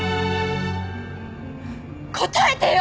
答えてよ！